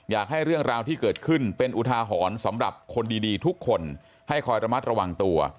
อยากให้เรื่องราวที่เกิดขึ้นเป็นอุทาหรณ์สำหรับคนดีทุกคนให้คอยระมัดระวังตัว